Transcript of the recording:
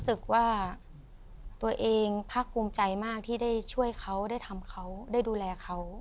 รู้สึกว่าตัวเองพักภูมิใจมากที่ได้ช่วยเขาได้ทำเขาได้ดูแลเขา